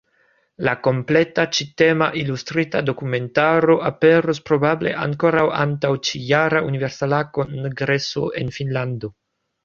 La kompleta ĉi-tema ilustrita dokumentaro aperos probable ankoraŭ antaŭ ĉi-jara Universala Kongreso en Finnlando.